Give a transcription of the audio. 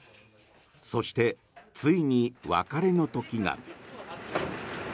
そして、ついに別れの時が。